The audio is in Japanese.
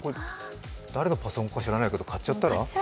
誰のパソコンか知らないけど買っちゃったら？